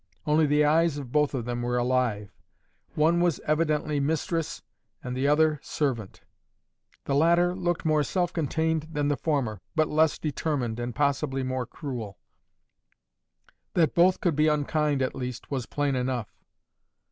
Only the eyes of both of them were alive. One was evidently mistress, and the other servant. The latter looked more self contained than the former, but less determined and possibly more cruel. That both could be unkind at least, was plain enough.